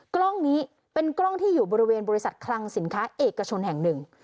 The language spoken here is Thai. กล้องนี้เป็นกล้องที่อยู่บริเวณบริษัทคลังสินค้าเอกชนแห่งหนึ่ง